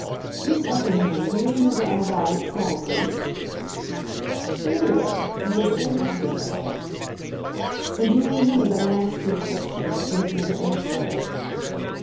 "Miss Effingham, do you remember our ride at Saulsby?" "Very well; as if it were yesterday." "And do you remember that I asked you a question which you have never answered?"